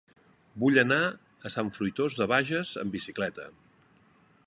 Vull anar a Sant Fruitós de Bages amb bicicleta.